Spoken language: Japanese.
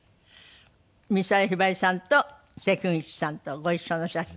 美空ひばりさんと関口さんとご一緒の写真ですけども。